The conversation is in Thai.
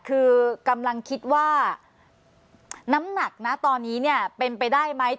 คือกำลังคิดว่าน้ำหนักนะตอนนี้เนี่ยเป็นไปได้ไหม